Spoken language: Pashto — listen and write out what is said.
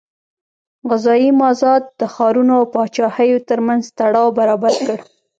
غذایي مازاد د ښارونو او پاچاهیو ترمنځ تړاو برابر کړ.